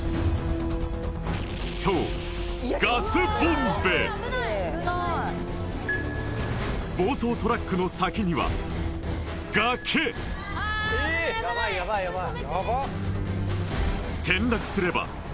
そうガスボンベ暴走トラックの先には崖どうなる？